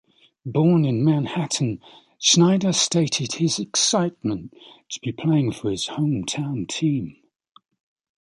Born in Manhattan, Schneider stated his excitement to be playing for his hometown team.